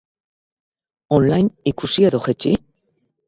On-line ikusi edo jaitsi?